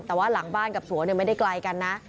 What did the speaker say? แต่ว่าหลังบ้านกับสวนไม่ได้ไกลกันนะ